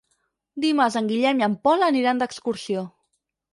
Dimarts en Guillem i en Pol aniran d'excursió.